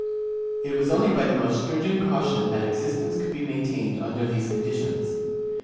^ It was only by the most stringent caution that existence could be maintained under these conditions.